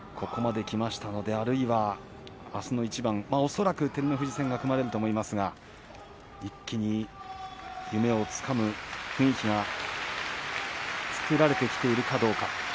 ここまできましたのであすの一番も恐らく照ノ富士戦が組まれると思いますが一気に夢をつかむ雰囲気は作られてきているかどうか。